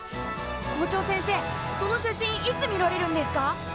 校長先生その写真いつ見られるんですか？